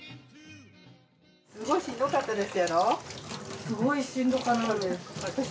すごいしんどかったです。